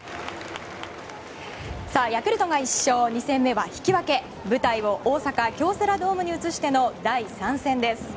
ヤクルトが１勝２戦目は引き分け舞台を大阪・京セラドームに移しての第３戦です。